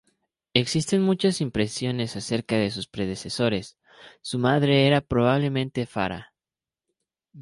Existen muchas imprecisiones acerca de sus predecesores, su madre era probablemente Fara.